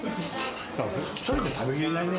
１人では食べきれないね。